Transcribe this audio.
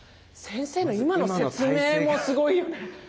先生の今の説明もすごいよね。